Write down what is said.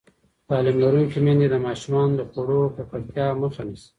تعلیم لرونکې میندې د ماشومانو د خوړو ککړتیا مخه نیسي.